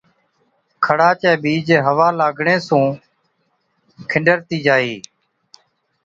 کڙا چَي ٻِيج هوا لاگڻي سُون آڦاڻهِين کِنڊرتِي جاهِي۔